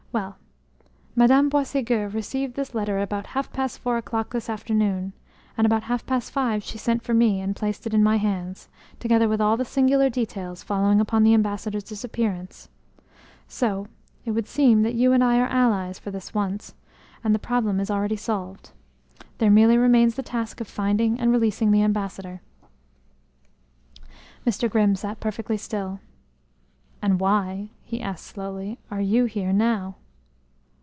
Well, Madame Boisségur received this letter about half past four o'clock this afternoon; and about half past five she sent for me and placed it in my hands, together with all the singular details following upon the ambassador's disappearance. So, it would seem that you and I are allies for this once, and the problem is already solved. There merely remains the task of finding and releasing the ambassador." Mr. Grimm sat perfectly still. "And why," he asked slowly, "are you here now?"